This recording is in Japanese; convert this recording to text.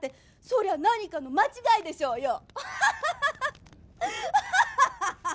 そりゃ何かの間違いでしょうよ。